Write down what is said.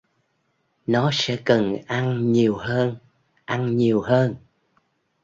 nó sẽ cần ăn nhiều hơn ăn nhiều hơn